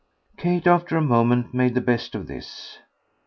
Kate after a moment made the best of this.